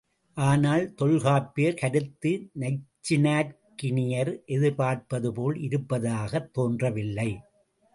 ஆனால், தொல்காப்பியர் கருத்து நச்சினார்க்கினியர் எதிர்பார்ப்பது போல் இருப்பதாகத் தோன்றவில்லை.